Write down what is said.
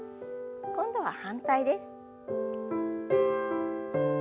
今度は反対です。